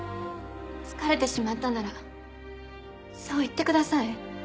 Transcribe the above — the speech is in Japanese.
疲れてしまったならそう言ってください。